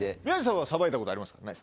宮治さんはさばいたことありますか？